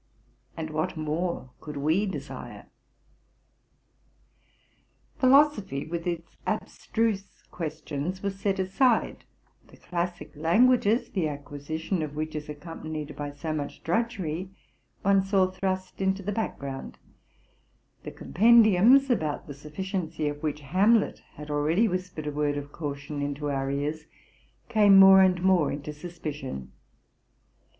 And what more could we desire? Philosophy, with its abstruse ques tions, was set aside; the classic languages, the acquisition of which is accompanied by so much drudgery, one saw thrust into the background ; the compendiums, about the sufficiency of which Hamlet had already whispered a word of caution into our ears, came more and more into suspicion.